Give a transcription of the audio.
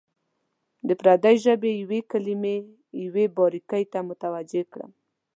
د پردۍ ژبې یوې کلمې یوې باریکۍ ته متوجه کړم.